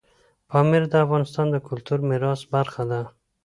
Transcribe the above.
پامیر د افغانستان د کلتوري میراث برخه ده.